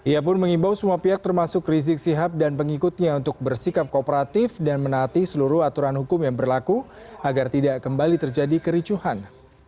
ia pun mengimbau semua pihak termasuk rizik sihab dan pengikutnya untuk bersikap kooperatif dan menaati seluruh aturan hukum yang berlaku agar tidak kembali terjadi kericuhan